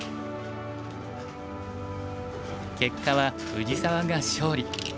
結果は藤沢が勝利。